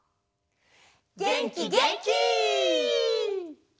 げんきげんき！